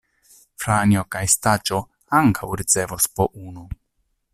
Franjo kaj Staĉjo ankaŭ ricevos po unu.